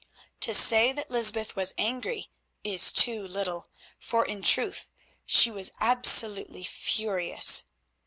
To say that Lysbeth was angry is too little, for in truth she was absolutely furious.